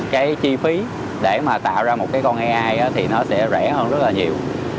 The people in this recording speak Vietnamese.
cái chi phí để mà tạo ra một cái con ai thì nó sẽ rẻ hơn rất là nhiều